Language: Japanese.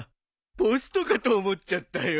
ポストかと思っちゃったよ。